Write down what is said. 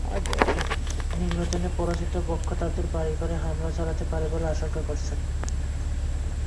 নির্বাচনে পরাজিত পক্ষ তাঁদের বাড়িঘরে হামলা চালাতে পারে বলে আশঙ্কা করছেন।